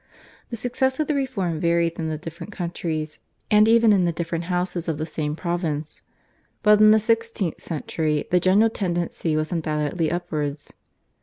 The success of the reform varied in the different countries and even in the different houses of the same province, but in the sixteenth century the general tendency was undoubtedly upwards.